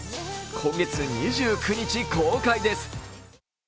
今月２９日公開です。